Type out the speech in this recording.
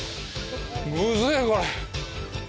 むずいこれ。